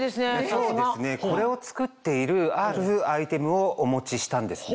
これを作っているあるアイテムをお持ちしたんですね。